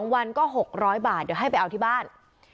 วันก็๖๐๐บาทเดี๋ยวให้ไปเอาที่บ้าน